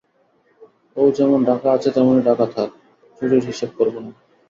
ও যেমন ঢাকা আছে তেমনি ঢাকা থাক, চুরির হিসেব করব না।